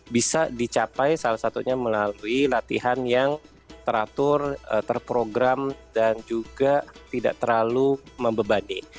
bisa dicapai salah satunya melalui latihan yang teratur terprogram dan juga tidak terlalu membebani